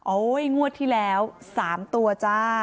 โอ้โฮงวดที่แล้ว๓ตัวจ้า